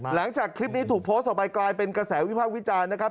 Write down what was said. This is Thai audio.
หลังจากคลิปนี้ถูกโพสต์ออกไปกลายเป็นกระแสวิพากษ์วิจารณ์นะครับ